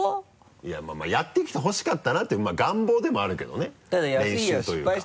いやまぁやってきてほしかったなっていう願望でもあるけどね練習というか。